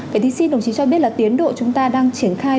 vậy thì xin đồng chí cho biết là tiến độ chúng ta đang triển khai